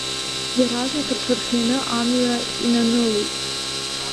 Иаразнак рҽырхианы амҩа инанылеит.